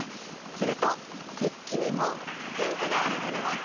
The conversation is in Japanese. すると石器にも変化が表れます。